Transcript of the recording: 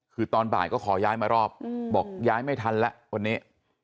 คือตอนบ่ายก็ขอย้ายมารอบบอกย้ายไม่ทันแล้ววันนี้